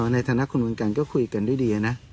ในฐานะคุณเมืองกันก็คุยกันด้วยดีนะ